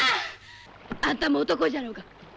あんたも男じゃろが。